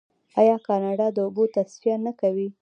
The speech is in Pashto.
آیا کاناډا د اوبو تصفیه نه کوي؟